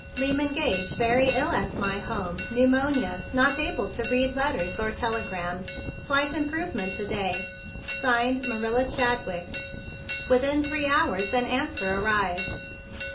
"Lyman Gage very ill at my home, pneumonia, not able to read letters or telegram. Slight im¬ provement to day. "(Signed) " Marilla Chadwick." Within three hours an answer arrived.